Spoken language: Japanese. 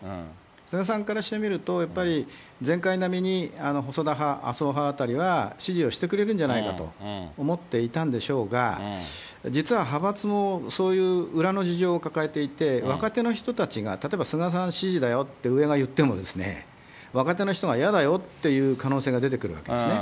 菅さんからしてみると、やっぱり前回並みに細田派、麻生派あたりは支持をしてくれるんじゃないかと思っていたんでしょうが、実は派閥もそういう裏の事情を抱えていて、若手の人たちが、例えば菅さん支持だよって上が言っても、若手の人がやだよっていう可能性が出てくるわけですね。